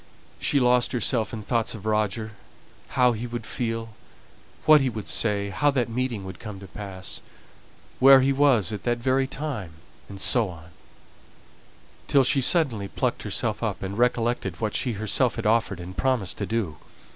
She lost herself in thoughts of Roger how he would feel, what he would say, how that meeting would come to pass, where he was at that very time, and so on, till she suddenly plucked herself up, and recollected what she herself had offered and promised to do.